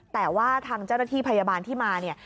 แต่ว่าทางเจ้าหน้าที่พยาบาลที่มาเนี่ย